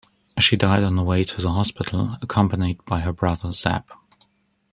She died on the way to the hospital accompanied by her brother Zab.